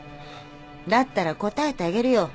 だったら応えてあげるよ。